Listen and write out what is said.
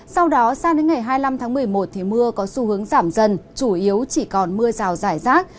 sau đó sang đến ngày hai mươi năm tháng một mươi một thì mưa có xu hướng giảm dần chủ yếu chỉ còn mưa rào rải rác